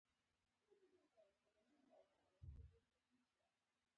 که زرخم کې بوټي و نو بیا ماته غږ وکړه.